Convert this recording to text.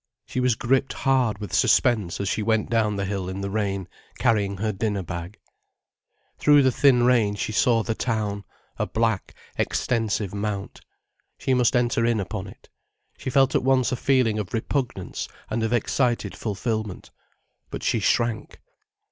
She was gripped hard with suspense as she went down the hill in the rain, carrying her dinner bag. Through the thin rain she saw the town, a black, extensive mount. She must enter in upon it. She felt at once a feeling of repugnance and of excited fulfilment. But she shrank.